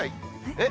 えっ？